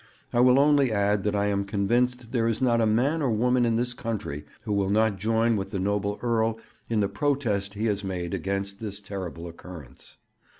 I will only add that I am convinced there is not a man or woman in this country who will not join with the noble Earl in the protest he has made against this terrible occurrence.'